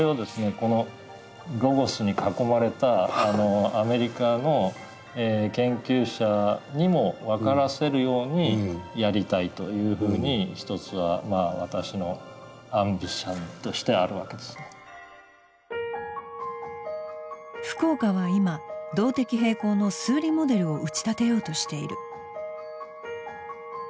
このロゴスに囲まれたアメリカの研究者にも分からせるようにやりたいというふうに一つはまあ福岡は今動的平衡の数理モデルを打ち立てようとしている。